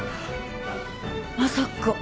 まさか。